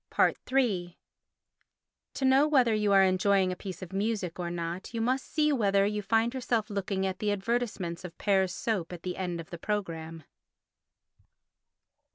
iii To know whether you are enjoying a piece of music or not you must see whether you find yourself looking at the advertisements of Pear's soap at the end of the programme.